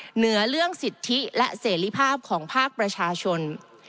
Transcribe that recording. เหนือเรื่องสิทธิและเสรีภาพของภาคประชาชน